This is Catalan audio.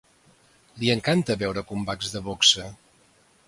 Li encanta veure combats de boxa.